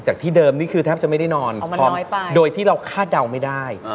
ที่เดิมนี่คือแทบจะไม่ได้นอนโดยที่เราคาดเดาไม่ได้